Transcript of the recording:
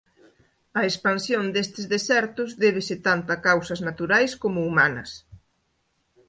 A expansión destes desertos débese tanto a causas naturais como humanas.